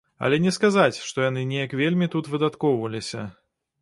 Але не сказаць, што яны неяк вельмі тут выдаткоўваліся.